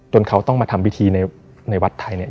เขาต้องมาทำพิธีในวัดไทยเนี่ย